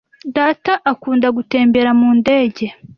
Data akunda gutembera mu ndege.